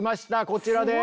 こちらです。